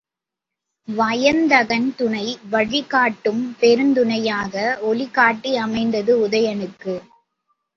வயந்தகன் துணை, வழி காட்டும் பெருந்துணையாக ஒளிகாட்டி அமைந்தது உதயணனுக்கு.